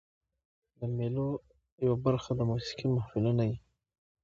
د مېلو یوه برخه د موسیقۍ محفلونه يي.